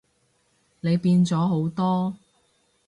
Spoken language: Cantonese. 你變咗好多